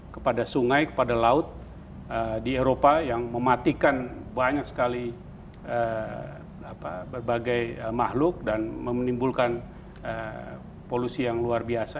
kepada sungai kepada laut di eropa yang mematikan banyak sekali berbagai makhluk dan menimbulkan polusi yang luar biasa